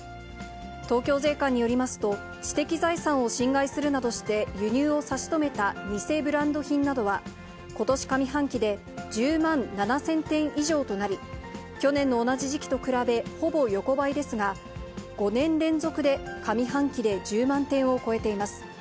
東京税関によりますと、知的財産を侵害するなどして輸入を差し止めた偽ブランド品などは、ことし上半期で１０万７０００点以上となり、去年の同じ時期と比べ、ほぼ横ばいですが、５年連続で上半期で１０万点を超えています。